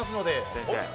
先生。